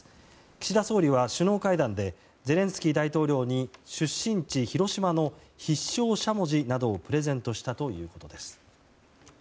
岸田総理は首脳会談でゼレンスキー大統領に出身地・広島の必勝しゃもじなどをプレゼントしたということです。